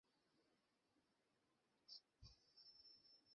টসে হেরে ব্যাট করতে নেমে ভারত পড়েছিল মোহাম্মদ আসিফের তোপের মুখে।